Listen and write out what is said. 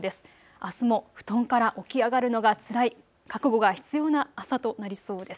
あすも布団から起き上がるのがつらい、覚悟が必要な朝となりそうです。